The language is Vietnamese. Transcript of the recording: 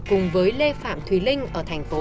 cùng với lê phạm thùy linh ở thành phố vũng tàu